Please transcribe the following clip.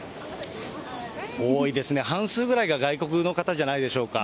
多いですね、半数の方が外国の方じゃないでしょうか。